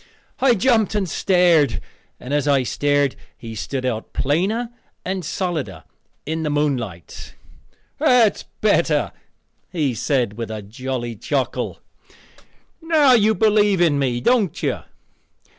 I jumped and stared, and as I stared he stood out plainer and solider in the moonlight. "That's better," he said with a jolly chuckle; "now you do believe in me, don't you?